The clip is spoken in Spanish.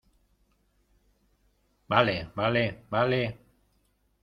vale, vale , vale.